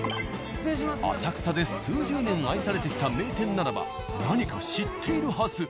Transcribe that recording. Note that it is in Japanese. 浅草で数十年愛されてきた名店ならば何か知っているはず。